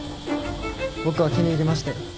僕は気に入りましたよ。